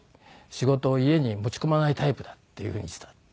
「“仕事を家に持ち込まないタイプだ”っていうふうに言ってた」。